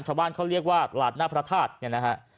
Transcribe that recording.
ชาวบ้านเขาเรียกว่าหลาดหน้าพระธาตุเนี่ยนะฮะ